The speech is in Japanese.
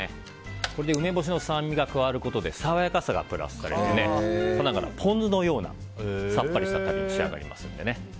これで梅干しの酸味が加わることで爽やかさがプラスされてポン酢のようなさっぱりしたタレに仕上がりますので。